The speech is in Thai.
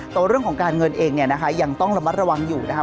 แต่ว่าเรื่องของการเงินเองเนี่ยนะคะยังต้องระมัดระวังอยู่นะครับ